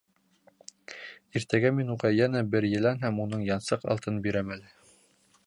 Иртәгә мин уға йәнә бер елән һәм ун янсыҡ алтын бирәм әле.